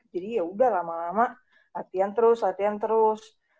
jadi yaudah lama lama latihan terus latihan terus